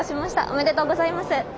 おめでとうございます。